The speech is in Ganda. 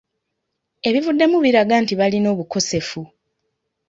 Ebivuddemu biraga nti balina obukosefu.